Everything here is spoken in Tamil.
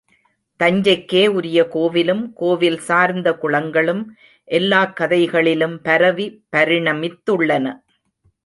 தஞ்சைக்கே உரிய கோவிலும், கோவில் சார்ந்த குளங்களும் எல்லாக்கதைகளிலும் பரவி பரிணமித்துள்ளன.